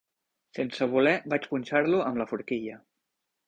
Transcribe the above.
Sense voler vaig punxar-lo amb la forquilla.